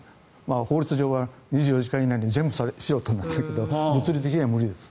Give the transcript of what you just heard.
法律上は２４時間以内に全部しろとなっているけれど物理的には無理です。